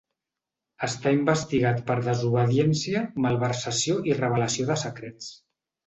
Està investigat per desobediència, malversació i revelació de secrets.